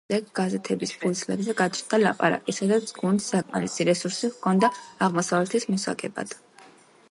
ამ აყვანის შემდეგ გაზეთების ფურცლებზე გაჩნდა ლაპარაკი, სადაც გუნდს საკმარისი რესურსი ჰქონდა აღმოსავლეთის მოსაგებად.